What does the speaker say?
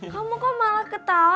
kamu kok malah ketawa